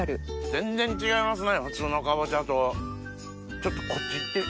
全然違いますね。